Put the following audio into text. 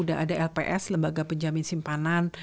sudah ada lps lembaga penjamin simpanan